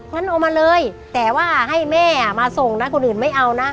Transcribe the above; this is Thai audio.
งั้นเอามาเลยแต่ว่าให้แม่มาส่งนะคนอื่นไม่เอานะ